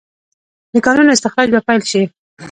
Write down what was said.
د کانونو استخراج به پیل شي؟